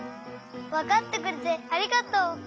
わかってくれてありがとう！